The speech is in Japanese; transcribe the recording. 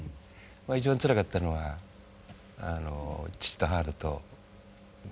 一番つらかったのはあの父と母だと。